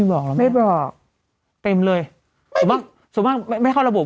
ไม่มีบอกไม่บอก